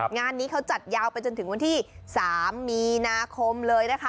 งานนี้เขาจัดยาวไปจนถึงวันที่๓มีนาคมเลยนะคะ